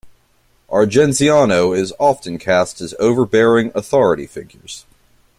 Argenziano is often cast as overbearing authority figures.